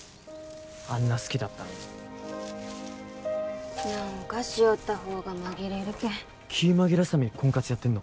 あんな好きだったのに何かしよったほうが紛れるけん気紛らすために婚活やってんの？